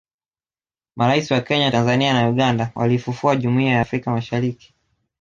Marais wa Kenya Tanzania na Uganda waliifufua Jumuia ya Afrika Mashariki